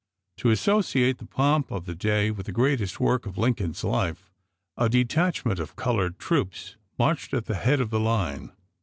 To associate the pomp of the day with the greatest work of Lincoln's life, a detachment of colored troops marched at the head of the line.